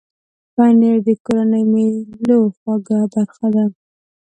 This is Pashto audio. پنېر د کورنۍ مېلو خوږه برخه ده.